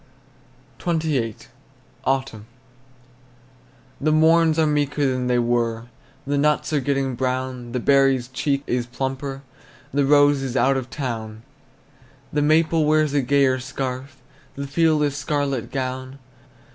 XXVIII. AUTUMN. The morns are meeker than they were, The nuts are getting brown; The berry's cheek is plumper, The rose is out of town. The maple wears a gayer scarf, The field a scarlet gown.